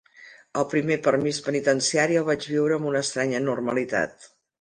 El primer permís penitenciari el vaig viure amb una estranya normalitat.